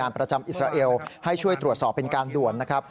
ประจำอิสราเอลให้ช่วยตรวจสอบเป็นการด่วนนะครับ